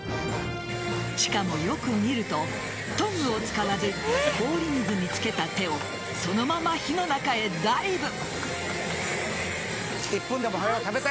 しかも、よく見るとトングを使わず氷水につけた手をそのまま火の中へダイブ。